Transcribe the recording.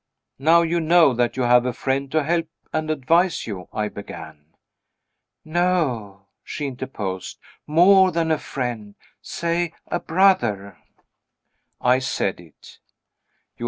"Now you know that you have a friend to help and advise you " I began. "No," she interposed; "more than a friend; say a brother." I said it.